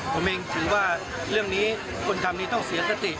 ผมเองถือว่าเรื่องนี้คนทำนี้ต้องเสียสติ